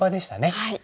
はい。